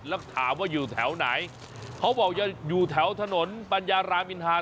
แล้วถามว่าอยู่แถวไหนเขาบอกจะอยู่แถวถนนปัญญารามอินทา